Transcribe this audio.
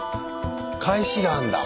返しがあんだ。